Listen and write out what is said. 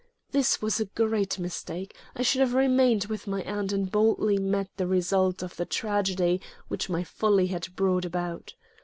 This was a great mistake. I should have remained with my aunt and boldly met the results of the tragedy which my folly had brought about.